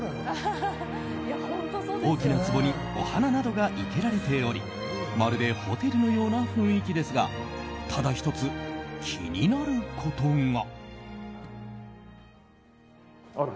大きなつぼにお花などが生けられておりまるでホテルのような雰囲気ですがただ１つ、気になることが。